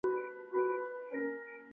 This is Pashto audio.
غلام محمد میمنګي یې په وړاندیز تأسیس کړ.